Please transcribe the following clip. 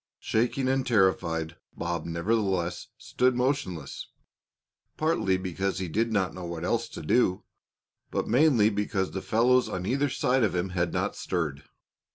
Shaking and terrified, Bob nevertheless stood motionless, partly because he did not know what else to do, but mainly because the fellows on either side of him had not stirred.